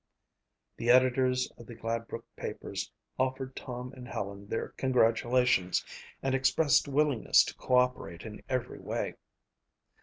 The editors of the Gladbrook papers offered Tom and Helen their congratulations and expressed willingness to cooperate in every way.